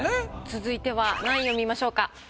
続いては何位を見ましょうか？